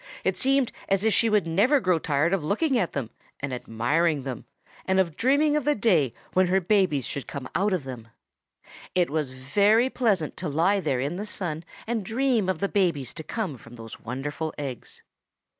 It seemed as if she never would grow tired of looking at them and admiring them and of dreaming of the day when her babies should come out of them. It was very pleasant to lie there in the sun and dream of the babies to come from those wonderful eggs.